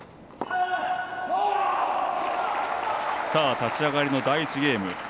立ち上がりの第１ゲーム。